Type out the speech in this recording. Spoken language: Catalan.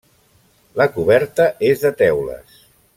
La coberta és de teules.